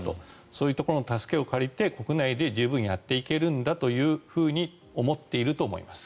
そういうところの助けを借りて国内で十分やっていけるんだというふうに思っていると思います。